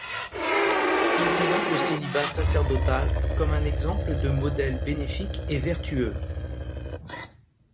Il présente le Célibat sacerdotal comme un exemple de modèle bénéfique et vertueux.